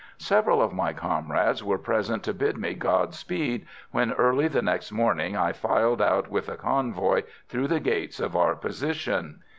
Several of my comrades were present to bid me "Godspeed" when, early the next morning, I filed out with the convoy through the gates of our position.